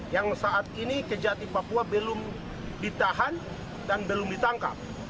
yang saat ini kejati papua belum ditahan dan belum ditangkap